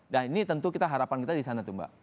nah ini tentu kita harapan kita di sana tuh mbak